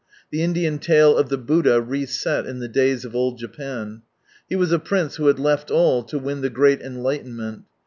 The Indian tale of the Buddha re set, in the days of old Japan. He was a prince who had left all to win The Great Enlightenment.